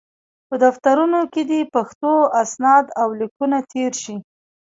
په دفترونو کې دې پښتو اسناد او لیکونه تېر شي.